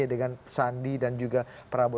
dengan sandi dan juga prabowo